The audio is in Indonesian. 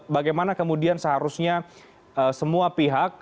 bagaimana kemudian seharusnya semua pihak